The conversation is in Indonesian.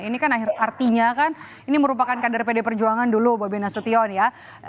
ini kan artinya kan ini merupakan kader pd perjuangan dulu bobi nasution ya